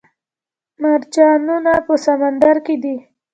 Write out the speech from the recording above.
مرجانونه په سمندر کې دي